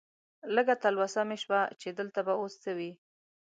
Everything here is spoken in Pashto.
لږه تلوسه مې شوه چې دلته به اوس څه وي.